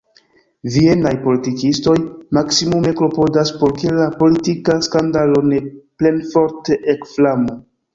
Vienaj politikistoj maksimume klopodas, por ke la politika skandalo ne plenforte ekflamu.